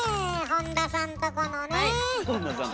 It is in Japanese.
本田さんとこのね。